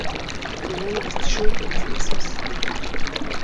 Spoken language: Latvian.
Tu ienīsti šūpuļdziesmas.